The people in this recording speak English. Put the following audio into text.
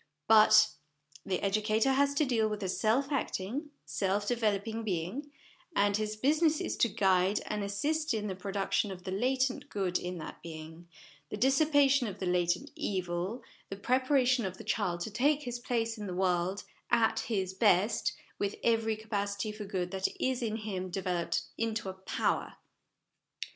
But the educator has to deal with a self acting, self developing being, and his business is to guide, and assist in, the production of the latent good in that being, the dissipation of the latent evil, the preparation of the child to take his place in the world at his best, with every capacity for good that is in him developed into a power.